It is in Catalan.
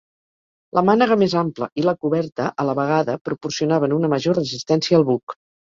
La mànega més ampla i la coberta a la vegada proporcionaven una major resistència al buc.